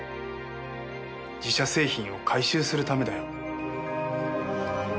自社製品を回収するためだよ。